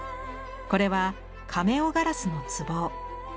これはカメオ・ガラスの壺。